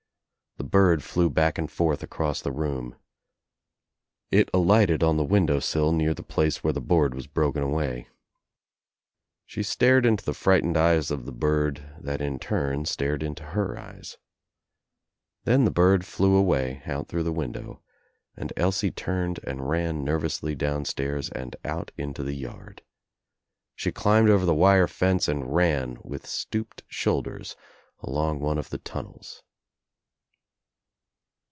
The bird flew back and forth across the room. It alighted on the window sill near the place where the board was broken away. She stared Into the fright ened eyes of the bird that in turn stared Into her eyes. Then the bird flew away, out through the window, and Elsie turned and ran nervously downstairs and out Into the yard. She climbed over the wire fence and ran with stooped shoulders along one of the tunnels.